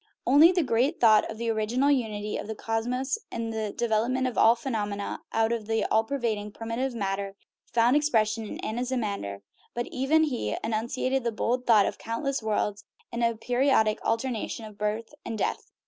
Not only the great thought of the original unity of the cosmos and the development of all phenomena out of the all pervading primitive matter found expression in Anaximander, but he even enunciated the bold idea of countless worlds in a peri odic alternation of birth and death.